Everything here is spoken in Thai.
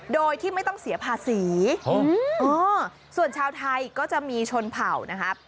โดยที่ไม่ต้องเสียภาษีส่วนชาวไทยก็จะมีชนเผ่านะครับ